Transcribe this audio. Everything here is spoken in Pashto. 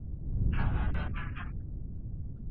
څوک به څرنګه منتر د شیطان مات کړي